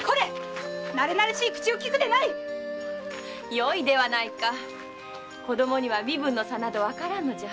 よいではないか子供には身分の差などわからんのじゃ。